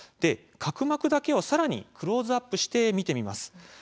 角膜だけをさらにクローズアップして見てみます。